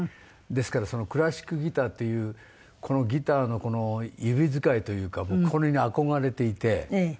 ですからクラシックギターっていうこのギターの指使いというか僕これに憧れていて。